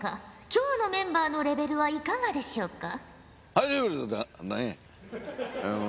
今日のメンバーのレベルはいかがでしょうか。